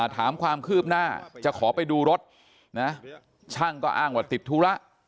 ถามความคืบหน้าจะขอไปดูรถนะช่างก็อ้างว่าติดธุระ